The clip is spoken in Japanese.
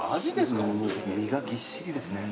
身がぎっしりですね。